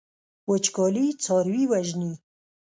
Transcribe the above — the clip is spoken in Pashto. وچکالي څاروي وژني.